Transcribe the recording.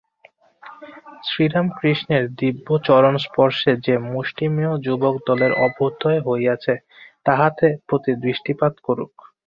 শ্রীরামকৃষ্ণের দিব্য চরণস্পর্শে যে মুষ্টিমেয় যুবকদলের অভ্যুদয় হইয়াছে, তাহাদের প্রতি দৃষ্টিপাত কর।